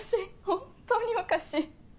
本当におかしい。